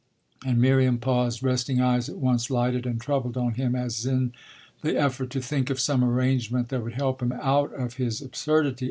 And Miriam paused, resting eyes at once lighted and troubled on him as in the effort to think of some arrangement that would help him out of his absurdity.